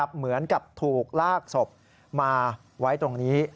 เหมือนกับถูกลากศพมาไว้ตรงนี้